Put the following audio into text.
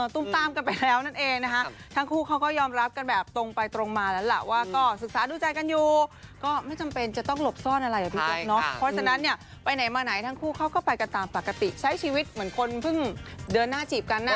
ตุ้มตามกันไปแล้วนั่นเองนะคะทั้งคู่เขาก็ยอมรับกันแบบตรงไปตรงมาแล้วล่ะว่าก็ศึกษาดูใจกันอยู่ก็ไม่จำเป็นจะต้องหลบซ่อนอะไรอ่ะพี่แจ๊กเนาะเพราะฉะนั้นเนี่ยไปไหนมาไหนทั้งคู่เขาก็ไปกันตามปกติใช้ชีวิตเหมือนคนเพิ่งเดินหน้าจีบกันนะ